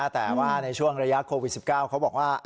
แต่ว่าในช่วงระยะโควิด๑๙เขาบอกว่า